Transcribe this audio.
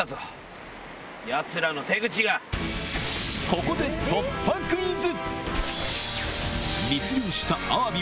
ここで突破クイズ！